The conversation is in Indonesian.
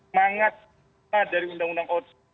semangat dari undang undang otsus